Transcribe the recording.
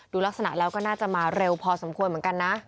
ลักษณะแล้วก็น่าจะมาเร็วพอสมควรเหมือนกันนะ